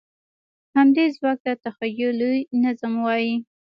همدې ځواک ته تخیلي نظم وایي.